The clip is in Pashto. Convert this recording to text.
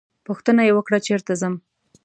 پوښتنه یې وکړه چېرته ځم.